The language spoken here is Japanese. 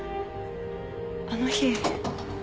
あの日。